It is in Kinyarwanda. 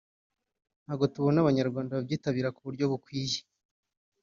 ntago tubona Abanyarwanda babyitabira ku buryo bukwiye